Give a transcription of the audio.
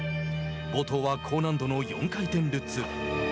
冒頭は高難度の４回転ルッツ。